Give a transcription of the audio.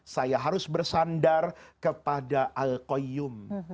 saya harus bersandar kepada alquayum